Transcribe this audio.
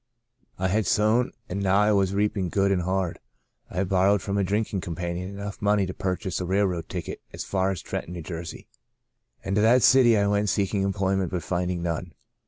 I had sown and now I was reaping good and hard. I borrowed from a drinking companion enough money to purchase a railroad ticket as far as Trenton, N. J., and to that city I went seeking employment but finding none.